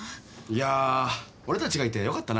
いや俺たちがいてよかったな。